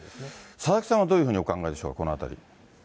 佐々木さんはどういうふうにお考えでしょう、このあたり。